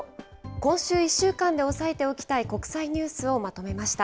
今週１週間で押さえておきたい国際ニュースをまとめました。